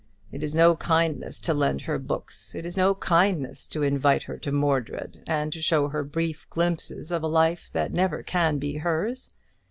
It is no kindness to lend her books; it is no kindness to invite her to Mordred, and to show her brief glimpses of a life that never can be hers.